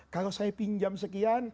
kalau saya pinjam sekian